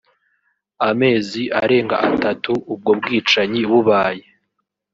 amezi arenga atatu ubwo bwicanyi bubaye